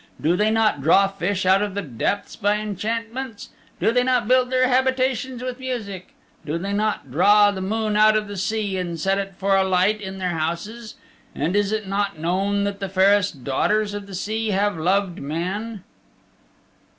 Do they not draw fish out of the depths by enchantments? Do they not build their habitations with music? Do they not draw the moon out of the sea and set it for a light in their houses? And is it not known that the fairest daughters of the sea have loved men?"